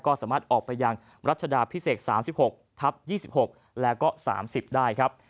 ก็สามารถออกไปยังรัชดาพิเศษ๓๖ทับ๒๖แล้วก็๓๐ได้ครับ